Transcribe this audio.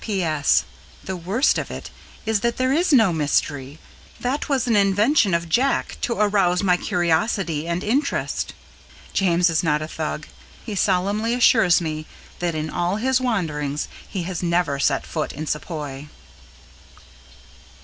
P.S. The worst of it is that there is no mystery. That was an invention of Jack to arouse my curiosity and interest. James is not a Thug. He solemnly assures me that in all his wanderings he has never set foot in Sepoy.